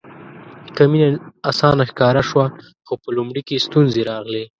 که مینه اسانه ښکاره شوه خو په لومړي کې ستونزې راغلې.